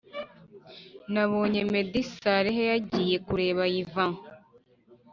Nabonye meddy saleh nagiye kureba Yvan